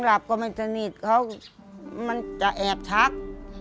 หลับก็ไม่สนิทเขามันจะแอบชัก